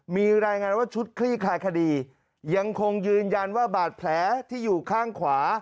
มีรายงานว่าชุดคลี่คลายคดียังคงยืนยันว่าบาดแผลที่อยู่ข้างขวา